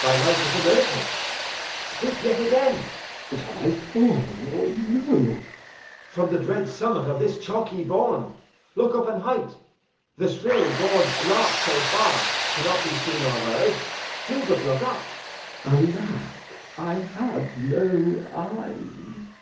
Thy life is a miracle. Speak yet again. Glou. But have I fall'n, or no? Edg. From the dread summit of this chalky bourn. Look up a height. The shrill gorg'd lark so far Cannot be seen or heard. Do but look up. Glou. Alack, I have no eyes!